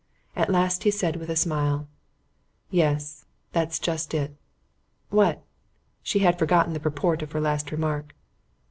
At last he said with a smile: "Yes, That's just it." "What?" She had forgotten the purport of her last remark.